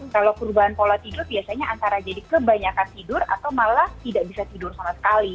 kalau perubahan pola tidur biasanya antara jadi kebanyakan tidur atau malah tidak bisa tidur sama sekali